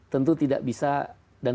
tentu tidak bisa dan